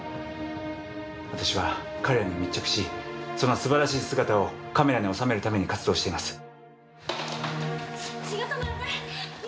私は彼らに密着しそのすばらしい姿をカメラに収めるために活動しています。